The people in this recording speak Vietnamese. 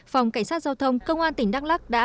phòng cảnh sát giao thông công an tỉnh đắk lắc đã